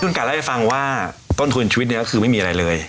คุณไก่ได้ได้ฟังว่าตอนโทนชีวิตเนี่ยคือไม่มีอะไรเลย